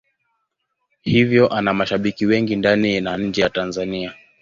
Hivyo ana mashabiki wengi ndani na nje ya Tanzania.